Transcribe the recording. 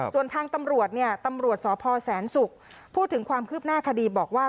ส่วนทางตำรวจเนี่ยตำรวจสพแสนศุกร์พูดถึงความคืบหน้าคดีบอกว่า